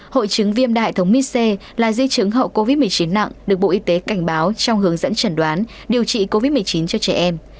hội chứng viêm đa hệ thống mis c là di chứng hậu covid một mươi chín nặng được bộ y tế cảnh báo trong hướng dẫn trần đoán điều trị covid một mươi chín cho trẻ em